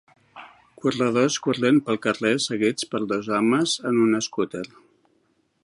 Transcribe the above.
Corredors corrent pel carrer seguits per dos homes en una escúter.